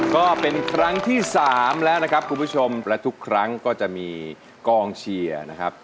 ก็เป็นครั้งที่สามแล้วนะครับคุณผู้ชมและทุกครั้งก็จะมีกองเชียร์นะครับ